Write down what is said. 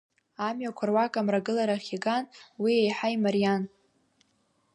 Амҩақәа руак амрагыларахь иган, уи еиҳа имариан.